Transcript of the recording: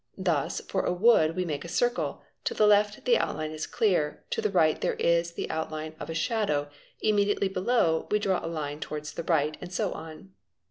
Thus for a wood we make a circle, to the left the outline is clear, to the right there is the outline of a shadow, immediately below we draw a line to wards the right ; and so on.